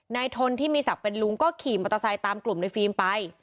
ทนที่มีศักดิ์เป็นลุงก็ขี่มอเตอร์ไซค์ตามกลุ่มในฟิล์มไป